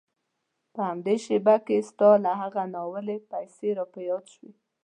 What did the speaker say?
په همدې شېبه کې ستا هغه ناولې پيسې را یادې شوې.